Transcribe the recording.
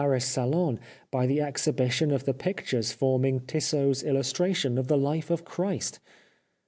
The Life of Oscar Wilde Salon by the exhibition of the pictures forming Tissot's illustration of the Life of Christ.